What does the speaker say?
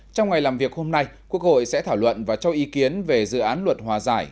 trong ngày làm việc hôm nay quốc hội sẽ thảo luận và cho ý kiến về dự án luật hòa giải